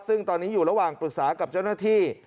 ซึ่งตอนนี้อยู่ระหว่างปรึกษากับเจ้าหน้าที่